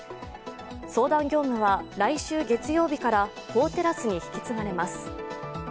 相談業務は来週月曜日から法テラスに引き継がれます。